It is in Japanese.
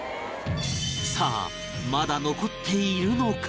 さあまだ残っているのか？